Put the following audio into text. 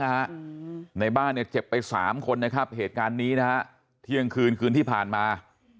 ในบ้านเนี่ยเจ็บไปสามคนนะครับเหตุการณ์นี้นะฮะเที่ยงคืนคืนที่ผ่านมา